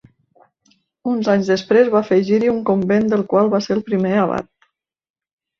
Uns anys després va afegir-hi un convent del qual va ser el primer abat.